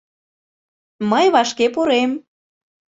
Мый вашке пурем.